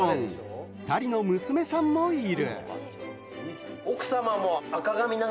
２人の娘さんもいる。